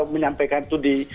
menyampaikan itu di